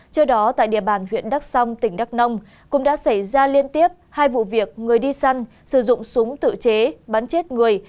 trước đó tại địa bàn huyện đắk song tỉnh đắk nông cũng đã xảy ra liên tiếp hai vụ việc người đi săn sử dụng súng tự chế bắn chết người